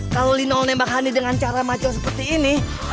kalau lino nembak ani dengan cara maco seperti ini